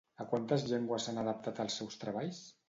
A quantes llengües s'han adaptat els seus treballs?